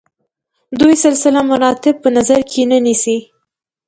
دوی سلسله مراتب په نظر کې نه نیسي.